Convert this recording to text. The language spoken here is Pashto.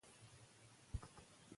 خندا د ټولنیزو اړیکو لپاره اړینه ده.